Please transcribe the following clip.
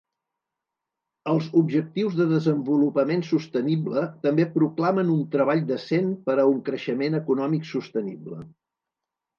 Els Objectius de Desenvolupament Sostenible també proclamen un treball decent per a un creixement econòmic sostenible.